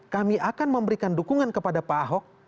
kami akan memberikan dukungan kepada pak ahok